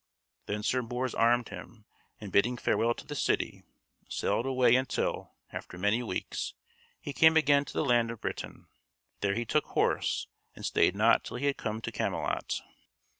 Then Sir Bors armed him, and bidding farewell to the city, sailed away until, after many weeks, he came again to the land of Britain. There he took horse, and stayed not till he had come to Camelot.